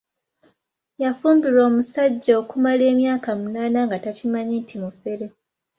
Yafumbirwa omusajja okumala emyaka munaana nga takimanyi nti mufere.